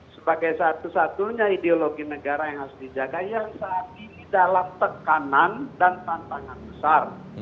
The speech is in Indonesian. sebagai satu satunya ideologi negara yang harus dijaga yang saat ini dalam tekanan dan tantangan besar